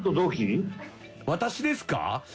「私ですか？